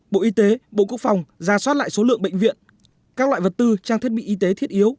bộ y tế bộ quốc phòng ra soát lại số lượng bệnh viện các loại vật tư trang thiết bị y tế thiết yếu